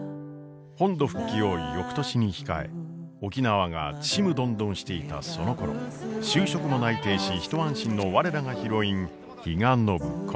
本土復帰を翌年に控え沖縄がちむどんどんしていたそのころ就職も内定し一安心の我らがヒロイン比嘉暢子。